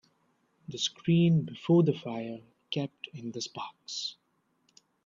The screen before the fire kept in the sparks.